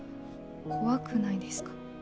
怖くないですか？